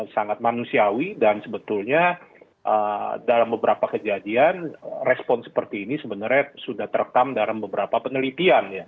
sangat manusiawi dan sebetulnya dalam beberapa kejadian respon seperti ini sebenarnya sudah terekam dalam beberapa penelitian ya